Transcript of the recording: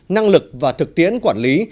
năng lực và thực tiễn quản lý